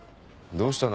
どうしたの？